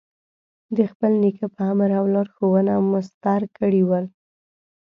د خپل نیکه په امر او لارښوونه مسطر کړي ول.